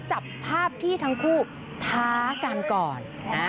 จับภาพที่ทั้งคู่ท้ากันก่อน